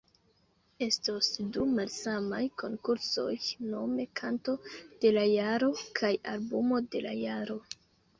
Estos du malsamaj konkursoj, nome Kanto de la Jaro kaj Albumo de la Jaro.